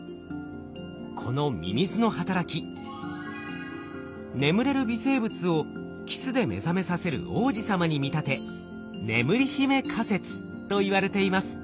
このミミズの働き眠れる微生物をキスで目覚めさせる王子様に見立て「眠り姫仮説」といわれています。